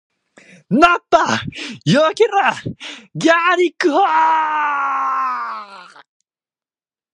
ナッパ避けろー！ギャリック砲ー！